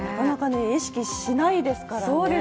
意識しないですからね。